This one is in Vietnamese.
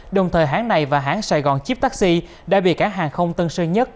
đồng thời hãng này và hãng sài gòn chiếc taxi đã bị cảng hàng không tân sơ nhất